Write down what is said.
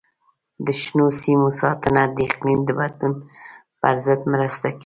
د شنو سیمو ساتنه د اقلیم د بدلون پر ضد مرسته کوي.